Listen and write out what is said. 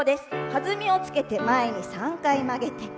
弾みをつけて前に３回曲げて。